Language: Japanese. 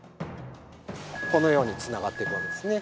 このように繋がっていくわけですね。